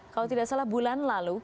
kalau tidak salah bulan lalu